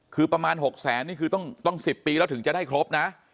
คือประมาณ๖แสนนี่คือต้อง๑๐ปีแล้วถึงจะได้ครบนะ